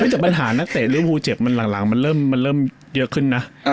จากปัญหานักเตะเรื่องภูเจ็บมันหลังมันเริ่มเยอะขึ้นนะ